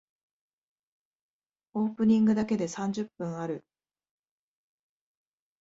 オープニングだけで三十分ある。